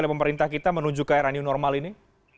oleh pemerintah kita menuju ke era new normal ini